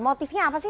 motifnya apa sih